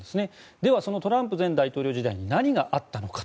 ではそのトランプ前大統領時代に何があったのか。